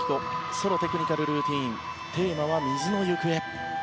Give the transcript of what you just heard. ソロ・テクニカルルーティンテーマは「水のゆくえ」。